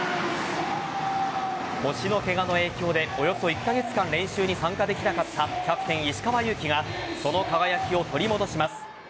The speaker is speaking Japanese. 腰のケガの影響でおよそ１カ月間練習に参加できなかったキャプテン・石川祐希がその輝きを取り戻します。